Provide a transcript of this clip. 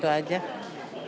tidak ada yang perlu ditakutkan